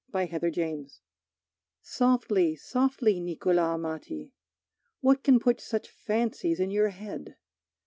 Beyond the Gamut Softly, softly, Niccolo Amati! What can put such fancies in your head?